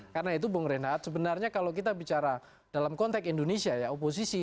karena itu bung rendaat sebenarnya kalau kita bicara dalam konteks indonesia ya oposisi